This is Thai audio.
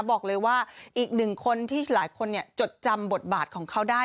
บอกเลยว่าอีกหนึ่งคนที่หลายคนจดจำบทบาทของเขาได้